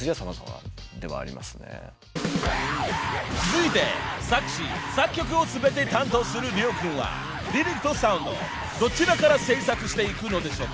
［続いて作詞作曲を全て担当する亮君はリリックとサウンドどちらから制作していくのでしょうか？］